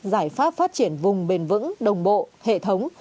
giải pháp phát triển vùng bền vững đồng bộ hệ thống